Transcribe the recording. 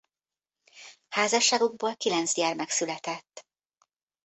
Házasságukból kilenc gyermek született.